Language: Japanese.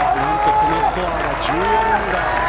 そのスコアが１４アンダー。